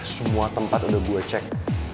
semua tempat udah gue cek